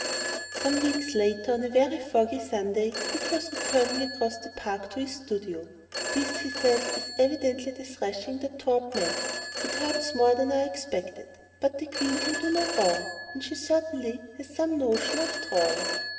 Some weeks later, on a very foggy Sunday, Dick was returning across the Park to his studio. "This," he said, "is evidently the thrashing that Torp meant. It hurts more than I expected; but the Queen can do no wrong; and she certainly has some notion of drawing."